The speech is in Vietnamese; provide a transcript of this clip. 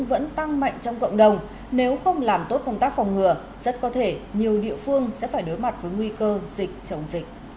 vẫn tăng mạnh trong cộng đồng nếu không làm tốt công tác phòng ngừa rất có thể nhiều địa phương sẽ phải đối mặt với nguy cơ dịch chồng dịch